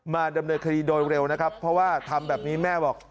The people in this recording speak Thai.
มาดำเนินคดีโดยเร็วนะครับเพราะว่าทำแบบนี้แม่บอก